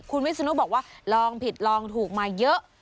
คุณวิศนุบอกว่าลองผิดลองถูกมาเยอะ